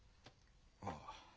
ああ。